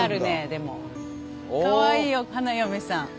かわいいよ花嫁さん。